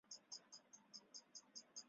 座堂为圣伯多禄圣保禄圣殿主教座堂。